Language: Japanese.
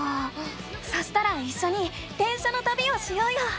そしたらいっしょに電車のたびをしようよ！